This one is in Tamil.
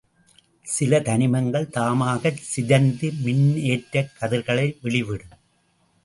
சில தனிமங்கள் தாமாகச் சிதைந்து மின்னேற்றக் கதிர்களை வெளிவிடும்.